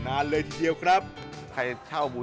คิกคิกคิกคิกคิกคิกคิกคิก